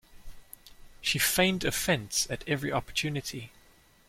She feigned offense at every opportunity.